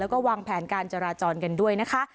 แล้วก็วางแผนการจราจรกันด้วยนะคะ